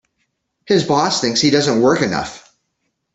His boss thinks he doesn't work enough.